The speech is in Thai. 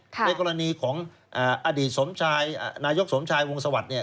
ในกรณีของอดีตสมชายนายกสมชายวงสวัสดิ์เนี่ย